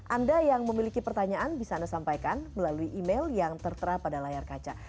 anda yang memiliki pertanyaan bisa anda sampaikan melalui email yang tertera pada layar kaca